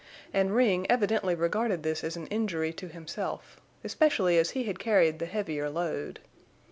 And Ring evidently regarded this as an injury to himself, especially as he had carried the heavier load.